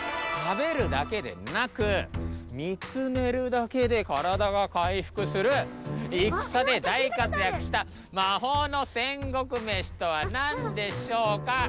食べるだけでなく見つめるだけで体が回復する戦で大活躍したまほうの戦国メシとは何でしょうか？